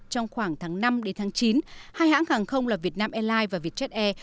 trong khoảng tháng năm đến tháng chín hai hãng hàng không là việt nam airlines và vietjet air